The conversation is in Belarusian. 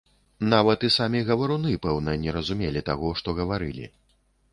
Нават і самі гаваруны, пэўна, не разумелі таго, што гаварылі.